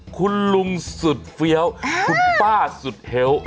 คุณลุงสุดเฟี้ยวคุณป้าสุดเฮ้ว